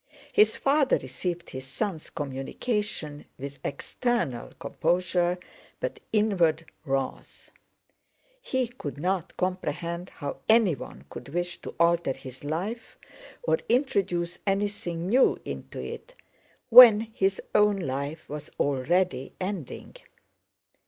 His father received his son's communication with external composure, but inward wrath. He could not comprehend how anyone could wish to alter his life or introduce anything new into it, when his own life was already ending.